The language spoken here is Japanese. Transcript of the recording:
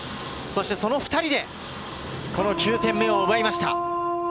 その２人でこの９点目を奪いました。